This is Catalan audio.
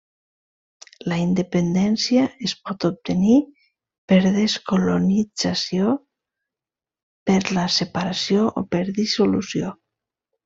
La independència es pot obtenir per descolonització, per la separació o per dissolució.